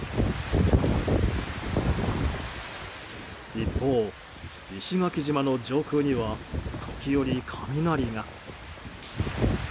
一方、石垣島の上空には時折、雷が。